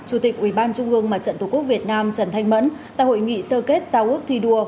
chủ tịch ubnd mặt trận tổ quốc việt nam trần thanh mẫn tại hội nghị sơ kết sau ước thi đua